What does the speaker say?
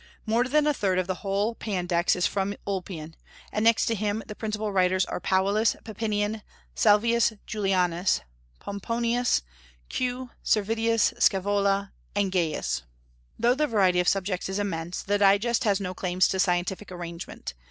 More than a third of the whole Pandects is from Ulpian, and next to him the principal writers are Paulus, Papinian, Salvius Julianus, Pomponius, Q. Cervidius Scaevola, and Gaius. Though the variety of subjects is immense, the Digest has no claims to scientific arrangement.